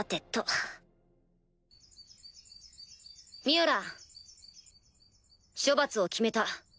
ミュウラン処罰を決めた。